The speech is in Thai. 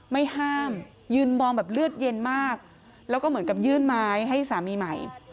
ไม่ห้ามยืนมองแบบเลือดเย็นมากแล้วก็เหมือนกับยื่นไม้ให้สามีใหม่